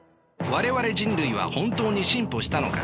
我々人類は本当に進歩したのか。